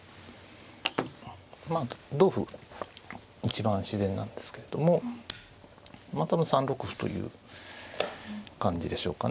まあ同歩一番自然なんですけれどもまあ多分３六歩という感じでしょうかね。